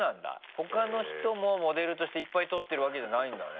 他の人もモデルとしていっぱい撮ってるわけじゃないんだね。